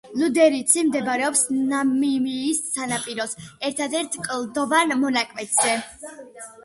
ლუდერიცი მდებარეობს ნამიბიის სანაპიროს ერთადერთ კლდოვან მონაკვეთზე.